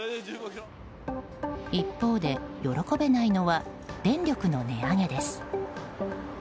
一方で喜べないのは電力の値上げです。